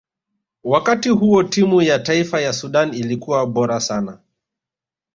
wakati huo timu ya taifa ya sudan ilikuwa bora sana